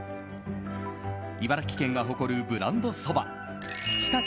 茨城県が誇るブランドそば常陸